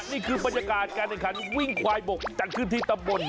นี่คือบรรยากาศการแข่งขันวิ่งควายบกจัดขึ้นที่ตำบล